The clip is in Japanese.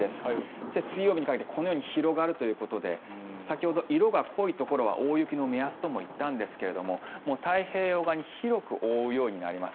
そして水曜日にかけてこのように広がるということで先ほど色が濃いところは大雪の目安ともいったんですが太平洋側に広く覆うようになります。